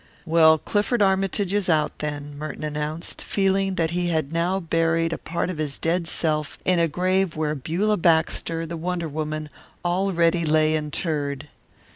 "Well, Clifford Armytage is out, then," Merton announced, feeling that he had now buried a part of his dead self in a grave where Beulah Baxter, the wonder woman, already lay interred.